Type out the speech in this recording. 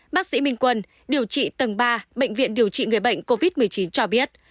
bác sĩ minh quân điều trị tầng ba bệnh viện điều trị người bệnh covid một mươi chín cho biết